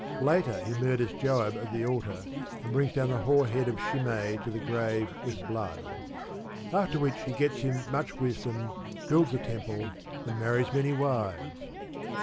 Later he murders Joab at the altar, and brings down the hoar head of Shimei to the grave with blood. After which he gets him much wisdom, builds a temple, and marries many wives.